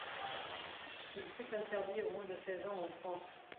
Il fut interdit aux moins de seize ans en France.